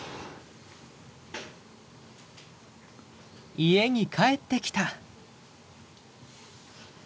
家に帰ってきた。